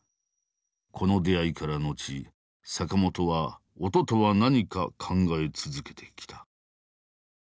この出会いから後坂本は音とは何か考え続けてきた。